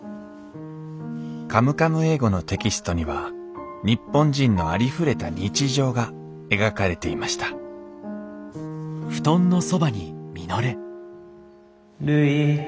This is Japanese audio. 『カムカム英語』のテキストには日本人のありふれた日常が描かれていましたるい。